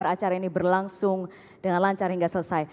acara ini berlangsung dengan lancar hingga selesai